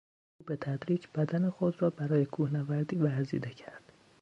او به تدریج بدن خود را برای کوهنوردی ورزیده کرد.